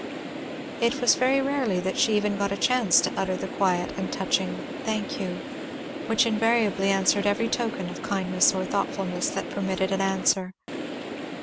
It was very rarely that she even got a chance to utter the quiet and touching "thank you," which invariably answered every token of kindness or thoughtfulness that permitted an answer.